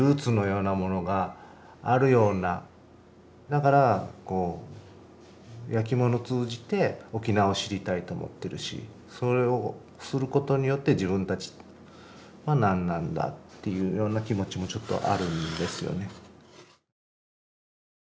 だからこう焼き物通じて沖縄を知りたいと思ってるしそれをすることによって自分たちは何なんだっていうような気持ちもちょっとあるんですよね。